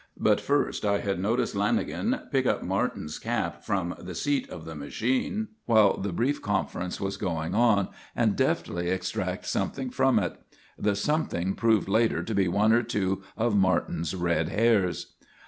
But first I had noticed Lanagan pick up Martin's cap from the seat of the machine while the brief conference was going on and deftly extract something from it. The "something" proved later to be one or two of Martin's red hairs.